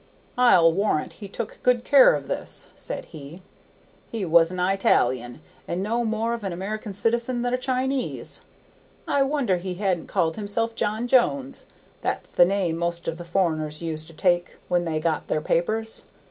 "I'll warrant he took good care of this," said he. "He was an I talian, and no more of an American citizen than a Chinese; I wonder he hadn't called himself John Jones, that's the name most of the foreigners used to take when they got their papers.